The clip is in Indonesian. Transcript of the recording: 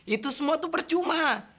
itu semua tuh percuma